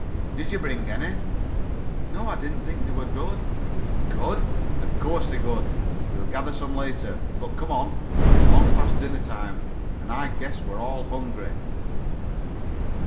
"Did you bring any?" "No. I didn't think they were good." "Good? Of course they're good! We'll gather some later. But come on. It's long past dinner time and I guess we're all hungry."